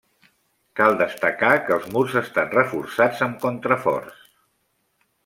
Cal destacar que els murs estan reforçats amb contraforts.